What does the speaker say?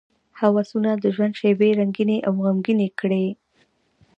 هوسونه د ژوند شېبې رنګینې او غمګینې کړي.